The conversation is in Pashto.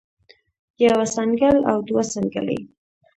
يوه څنګل او دوه څنګلې